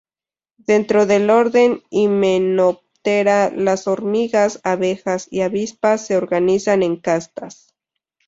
Dentro del orden Hymenoptera, las hormigas, abejas y avispas se organizan en castas.